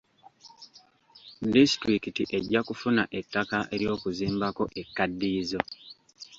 Distulikiti ejja kufuna ettaka ery'okuzimbako ekkaddiyizo.